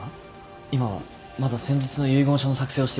今まだ先日の遺言書の作成をしていまして。